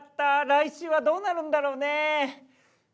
来週はどうなるんだろうね？